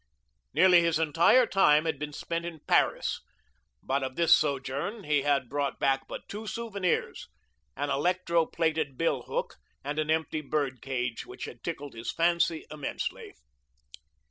Nearly his entire time had been spent in Paris; but of this sojourn he had brought back but two souvenirs, an electro plated bill hook and an empty bird cage which had tickled his fancy immensely.